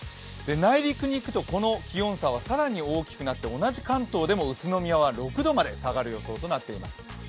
内陸に行くと、この気温差は更に大きくなって、同じ関東でも宇都宮は６度まで下がる予想となっています。